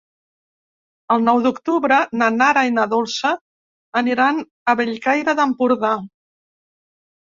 El nou d'octubre na Nara i na Dolça aniran a Bellcaire d'Empordà.